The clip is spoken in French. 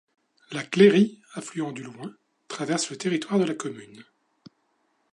La Cléry, affluent du Loing, traverse le territoire de la commune.